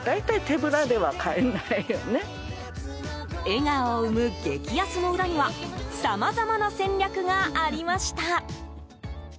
笑顔を生む激安の裏にはさまざまな戦略がありました。